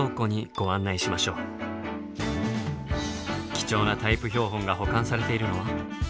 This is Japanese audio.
貴重なタイプ標本が保管されているのは。